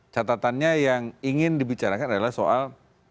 catatannya yang ingin dibicarakan adalah soal